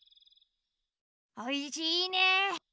おいしいね。